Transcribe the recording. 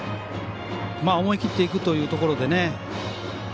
思い切っていくというところでね。